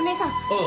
ああ。